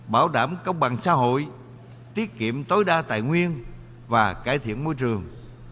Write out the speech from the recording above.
bảo đảm công bằng xã hội tiết kiệm tối đa tài nguyên và cải thiện môi trường